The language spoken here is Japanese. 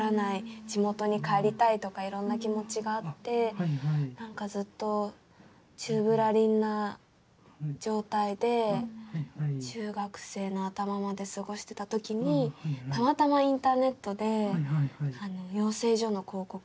地元に帰りたいとかいろんな気持ちがあって何かずっと宙ぶらりんな状態で中学生の頭まで過ごしてたときにたまたまインターネットで養成所の広告。